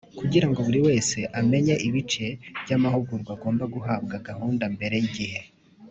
Kugira ngo buri wese amenye ibice by’amahugurwa agomba guhabwa gahunda mbere y’igihe